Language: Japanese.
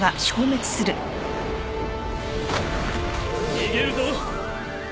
逃げるぞ！